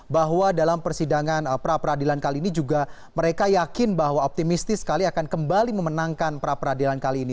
bahwa dalam persidangan perapradilan kali ini juga mereka yakin bahwa optimistis sekali akan kembali memenangkan perapradilan kali ini